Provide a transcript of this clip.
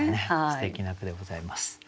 すてきな句でございます。